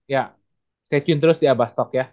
ya stay tune terus di abastok ya